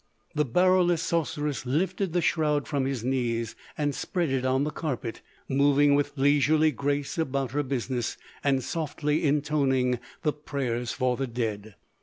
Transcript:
The Baroulass sorceress lifted the shroud from his knees and spread it on the carpet, moving with leisurely grace about her business and softly intoning the Prayers for the Dead.